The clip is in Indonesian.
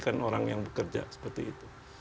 kan orang yang bekerja seperti itu